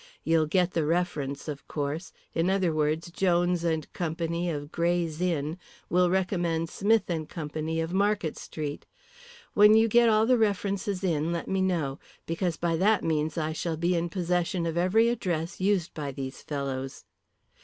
You'll get the reference, of course; in other words, Jones and Company, of Gray's Inn, will recommend Smith and Company, of Market Street. When you get all the references in let me know, because by that means I shall be in possession of every address used by these fellows."